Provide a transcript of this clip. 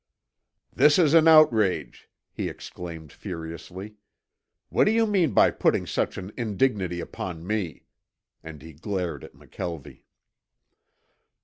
"This is an outrage!" he exclaimed furiously. "What do you mean by putting such an indignity upon me?" and he glared at McKelvie.